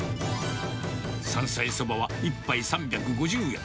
山菜そばは１杯３５０円。